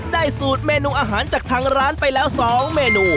สูตรเมนูอาหารจากทางร้านไปแล้ว๒เมนู